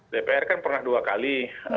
dpr kan pernah dua kali